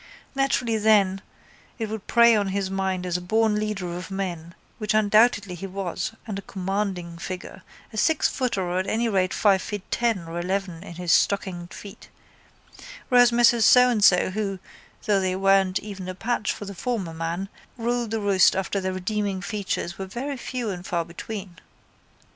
Naturally then it would prey on his mind as a born leader of men which undoubtedly he was and a commanding figure, a sixfooter or at any rate five feet ten or eleven in his stockinged feet, whereas Messrs So and So who, though they weren't even a patch on the former man, ruled the roost after their redeeming features were very few and far between.